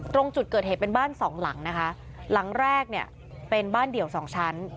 ตรงจุดเกิดเหตุเป็นบ้านสองหลังนะคะหลังแรกเนี่ยเป็นบ้านเดี่ยวสองชั้น